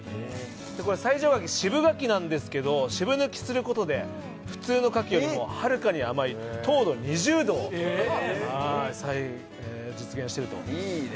西条柿は渋柿なんですけど渋抜きすることで普通の柿よりもはるかに甘い糖度２０度を実現していると。